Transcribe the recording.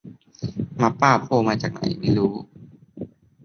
หมาป่าโผล่มาจากไหนไม่รู้